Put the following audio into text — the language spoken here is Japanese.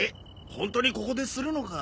ホントにここでするのか？